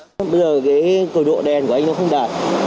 bây giờ cái cường độ đèn của anh nó không đạt